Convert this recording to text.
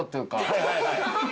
はいはい。